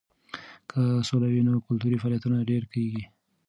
که سوله وي نو کلتوري فعالیتونه ډېر کیږي.